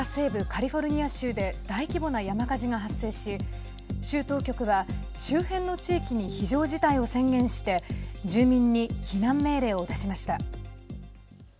カリフォルニア州で大規模な山火事が発生し州当局は、周辺の地域に非常事態を宣言して住民に避難命令を出しました。